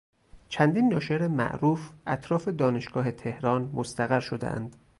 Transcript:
چندین ناشر معروف اطراف دانشگاه تهران مستقر شدهاند.